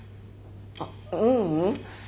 あっううん。